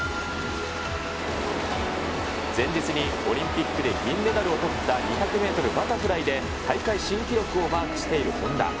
前日にオリンピックで金メダルをとった２００メートルバタフライで大会新記録をマークしている本多。